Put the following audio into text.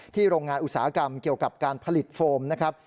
โรงงานอุตสาหกรรมเกี่ยวกับการผลิตโฟมนะครับ